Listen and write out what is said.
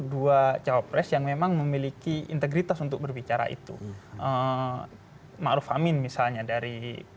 dua cowok pres yang memang memiliki integritas untuk berbicara itu ma'ruf amin misalnya dari